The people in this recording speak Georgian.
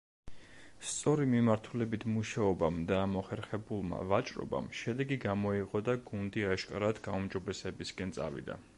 სწორი მიმართულებით მუშაობამ და მოხერხებულმა ვაჭრობამ შედეგი გამოიღო და გუნდი აშკარად გაუმჯობესებისკენ წავიდა.